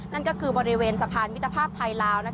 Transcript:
นั่นก็คือบริเวณสะพานมิตรภาพไทยลาว